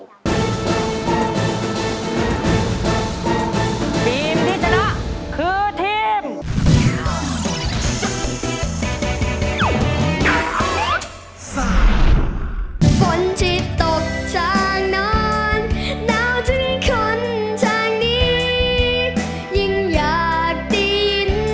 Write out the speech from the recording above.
ทีมที่จะนะคือทีม